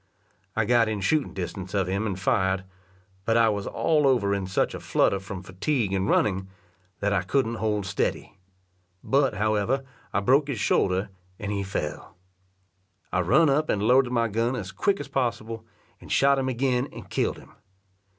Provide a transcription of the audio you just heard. I got in shooting distance of him and fired, but I was all over in such a flutter from fatigue and running, that I couldn't hold steady; but, however, I broke his shoulder, and he fell. I run up and loaded my gun as quick as possible, and shot him again and killed him.